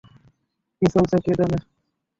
কি চলছে কে জানে!